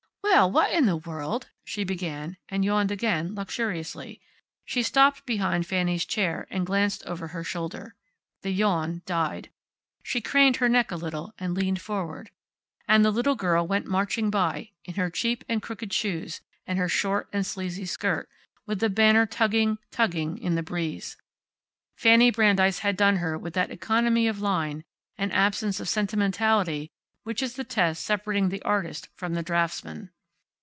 "Well, what in the world " she began, and yawned again, luxuriously. She stopped behind Fanny's chair and glanced over her shoulder. The yawn died. She craned her neck a little, and leaned forward. And the little girl went marching by, in her cheap and crooked shoes, and her short and sleazy skirt, with the banner tugging, tugging in the breeze. Fanny Brandeis had done her with that economy of line, and absence of sentimentality which is the test separating the artist from the draughtsman.